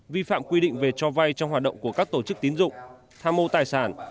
vi phạm quy định về cho vay trong hoạt động của các tổ chức tín dụng tham mô tài sản